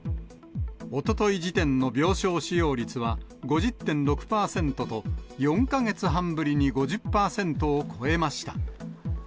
おととい時点の病床使用率は５０．６％と、４か月半ぶりに５０％を超えました。